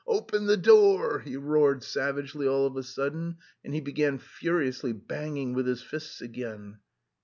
Open the door!" he roared savagely all of a sudden, and he began furiously banging with his fists again.